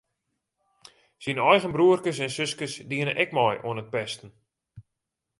Syn eigen broerkes en suskes dienen ek mei oan it pesten.